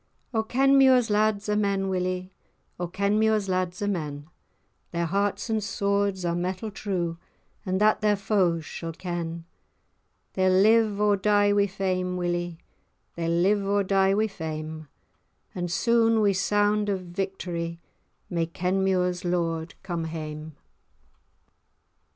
O Kenmure's lads are men, Willie, O Kenmure's lads are men, Their hearts and swords are metal true, And that their foes shall ken. They'll live, or die wi' fame, Willie, They'll live, or die wi' fame, And soon wi' sound o' victorie May Kenmure's lord come hame."